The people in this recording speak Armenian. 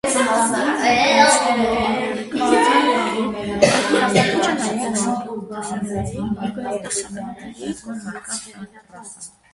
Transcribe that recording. Թանգարանում ներկայացնում է մանրանկարչության գրքեր հայտնի ադրբեջանցի դասականների կողմից հեղինակված։